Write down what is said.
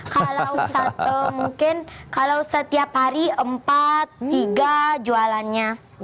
kalau satu mungkin kalau setiap hari empat tiga jualannya